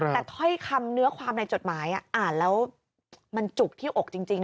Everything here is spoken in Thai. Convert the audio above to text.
แต่ถ้อยคำเนื้อความในจดหมายอ่านแล้วมันจุกที่อกจริง